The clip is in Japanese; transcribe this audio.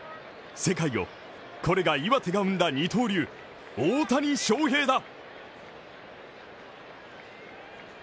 世界よ、これが岩手が生んだ二刀流、大谷翔平だ。